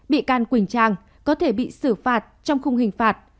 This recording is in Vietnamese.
bị can quỳnh trang có thể bị xử phạt trong khung hình phạt